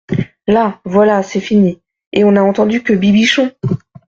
Là, voilà c'est fini ; et on n'a entendu que Bibichon !